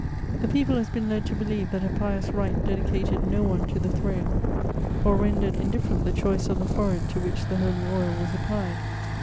The people has been led to believe that a pious rite dedicated no one to the throne, or rendered indifferent the choice of the forehead to which the holy oil was applied.